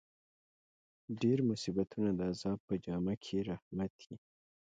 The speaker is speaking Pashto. ډېر مصیبتونه د عذاب په جامه کښي رحمت يي.